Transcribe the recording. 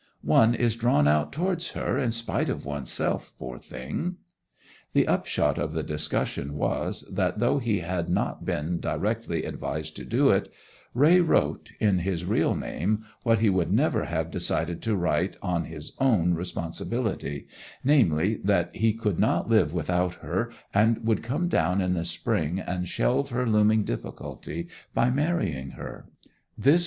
'One is drawn out towards her, in spite of one's self, poor thing.' The upshot of the discussion was that though he had not been directly advised to do it, Raye wrote, in his real name, what he would never have decided to write on his own responsibility; namely that he could not live without her, and would come down in the spring and shelve her looming difficulty by marrying her.